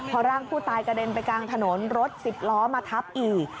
พอร่างผู้ตายกระเด็นไปกลางถนนรถสิบล้อมาทับอีก